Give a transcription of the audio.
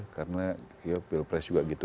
karena pilpres juga gitu